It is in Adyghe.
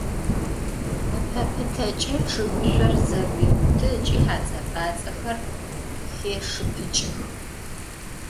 Ipe pıteç'e ççıgışsor zeguêutı ıç'i hats'e - p'ats'exer xêşşıpıç'ıx.